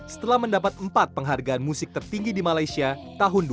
setelah mendapat empat penghargaan musik tertinggi di malaysia tahun dua ribu dua